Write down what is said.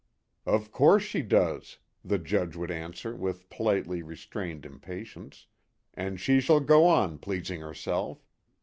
" Of course she does," the Judge would answer with politely restrained impatience, " and she shall go on pleasing herself.